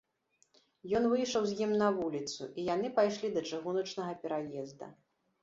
Ён выйшаў з ім на вуліцу, і яны пайшлі да чыгуначнага пераезда.